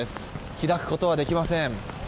開くことはできません。